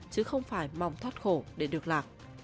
chứ không phải mong thoát khổ để được lạc